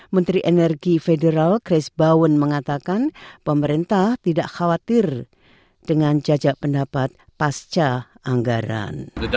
menteri energi federal chris bowon mengatakan pemerintah tidak khawatir dengan jajak pendapat pasca anggaran